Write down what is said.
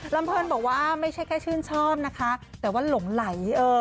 เพลินบอกว่าไม่ใช่แค่ชื่นชอบนะคะแต่ว่าหลงไหล